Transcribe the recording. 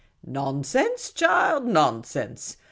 " Nonsense, child, nonsense